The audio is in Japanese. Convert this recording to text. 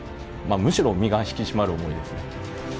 むしろ身が引き締まる思いですね。